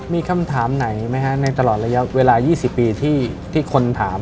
มีคำถามไหนไหมฮะในตลอดระยะเวลา๒๐ปีที่คนถาม